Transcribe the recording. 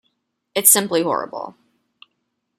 It’s simply horrible.